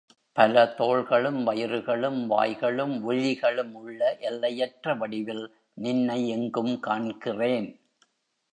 பல தோள்களும், வயிறுகளும், வாய்களும், விழிகளும் உள்ள எல்லையற்ற வடிவில் நின்னை எங்கும் காண்கிறேன்.